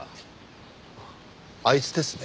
あいつですね。